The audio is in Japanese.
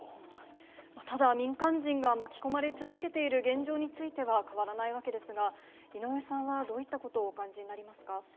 ただ、民間人が巻き込まれ続けている現状については、変わらないわけですが、井上さんは、どういったことをお感じになりますか。